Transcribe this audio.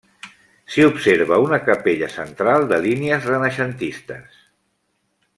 S'hi observa una capella central de línies renaixentistes.